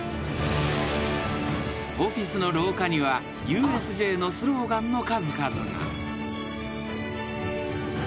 ［オフィスの廊下にはＵＳＪのスローガンの数々が］